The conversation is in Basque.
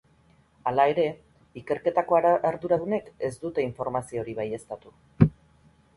Hala ere, ikerketako arduradunek ez dute informazio hori baieztatu.